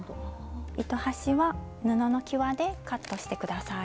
糸端は布のきわでカットして下さい。